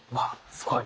すごい！